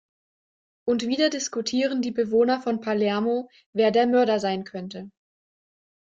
Und wieder diskutieren die Bewohner von Palermo, wer der Mörder sein könnte.